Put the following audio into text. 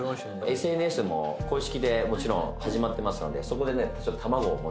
ＳＮＳも公式でもちろん始まってますのでそこでね卵を持ってたり。